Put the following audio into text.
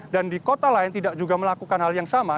dan di kota lain tidak juga melakukan hal yang sama